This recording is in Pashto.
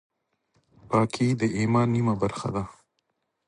پاکي د ایمان نیمه برخه ده.